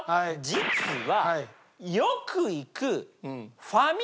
実は。